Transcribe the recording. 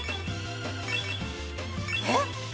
えっ？